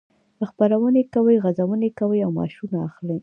خپرونې کوي، غزونې کوي او معاشونه اخلي.